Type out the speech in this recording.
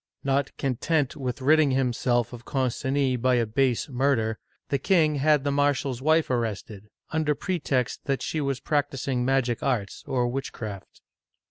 Not content with ridding himself of Concini by a base murder, the king had the marshal's wife arrested, under pretext that she was practicing magic arts or witchcraft.